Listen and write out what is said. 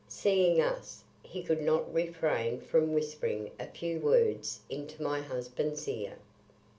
Seeing us, he could not refrain from whispering a few words into my husband's ear.